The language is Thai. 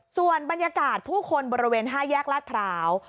ส่วนบรรยากาศผู้คนบริเวณ๕แยกลาดพร้าว